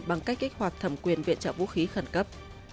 bằng cách kích hoạt thẩm quyền viện trợ vũ khí khẩn cấp